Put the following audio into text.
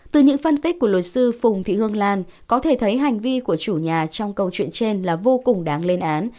từ những phân tích của luật sư phùng thị hương lan có thể thấy hành vi của chủ nhà trong câu chuyện trên là vô cùng đáng lên án